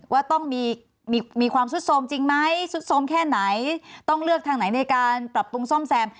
ว่าต้องมีความซุดโทรมจริงไหมสุดสมแค่ไหนต้องเลือกทางไหนในการปรับปรุงซ่อมแซม